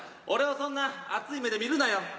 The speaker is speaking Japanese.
俺をそんな熱い目で見るなよ。